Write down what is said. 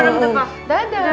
aduh aduh aduh